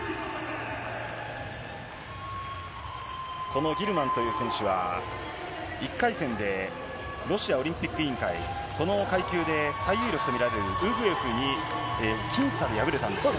このギルマンという選手は、１回戦でロシアオリンピック委員会、この階級で最有力と見られるウグエフに僅差で敗れたんですよね。